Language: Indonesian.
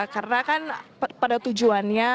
karena kan pada tujuannya